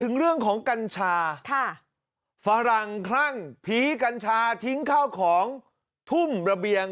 ถึงเรื่องของกัญชาค่ะฝรั่งคลั่งผีกัญชาทิ้งข้าวของทุ่มระเบียง